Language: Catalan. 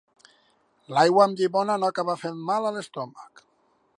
L'aigua amb llimona no acaba fent mal a l'estómac?